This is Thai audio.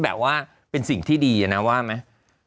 แบบว่าเป็นสิ่งที่ดีนะว่าไหม